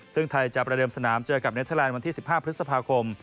ซึ่งไทยจะประเดิมสนามเจอกับเนเทอร์แลนด์วันที่๑๕พฤษภาคม